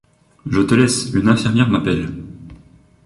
Je te laisse une infirmière m’appelle.